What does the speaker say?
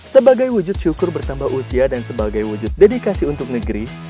sebagai wujud syukur bertambah usia dan sebagai wujud dedikasi untuk negeri